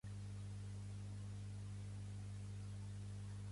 Pregunteu-li com se'n diu, Marieta, Marieta, pregunteu-li